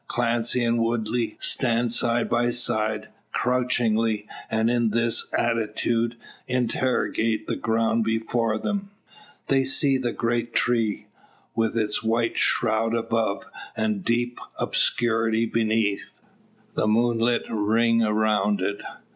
Clancy and Woodley stand side by side, crouchingly; and in this attitude interrogate the ground before them. They see the great tree, with its white shroud above, and deep obscurity beneath the moonlit ring around it.